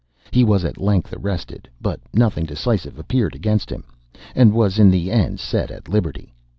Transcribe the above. He was at length arrested, but nothing decisive appearing against him, was in the end set at liberty.